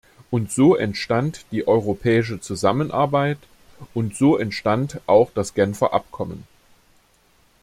Und so entstand die europäische Zusammenarbeit, und so entstand auch das Genfer Abkommen.